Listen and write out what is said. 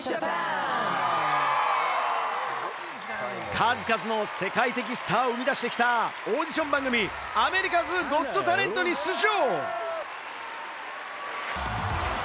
数々の世界的スターを生み出してきたオーディション番組『アメリカズ・ゴット・タレント』に出場。